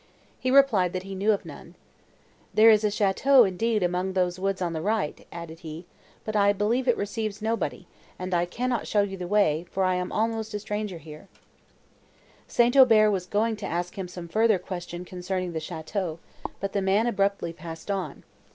He replied, that he knew of none. "There is a château, indeed, among those woods on the right," added he, "but I believe it receives nobody, and I cannot show you the way, for I am almost a stranger here." St. Aubert was going to ask him some further question concerning the château, but the man abruptly passed on.